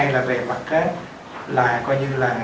là về mặt á là coi như là